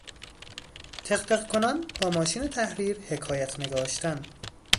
تقتق کنان با ماشین تحریر حکایت نگاشتن